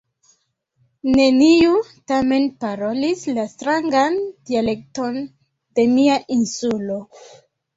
Neniu tamen parolis la strangan dialekton de mia Insulo.